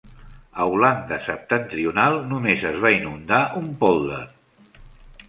A Holanda Septentrional només es va inundar un pòlder.